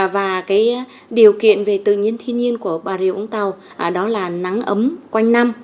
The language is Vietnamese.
và điều kiện về tự nhiên thiên nhiên của bà rịa vũng tàu đó là nắng ấm quanh năm